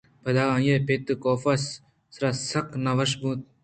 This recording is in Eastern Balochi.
پدا آئی ءِ پت کاف ءِ سراسک نہ وش اِنت